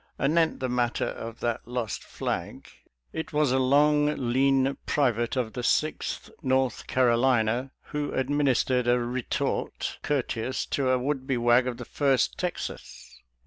Anent the matter of that lost flag. It was a long, lean private of the Sixth North Carolina who administered a retort courteous to a would be wag of the First Texas.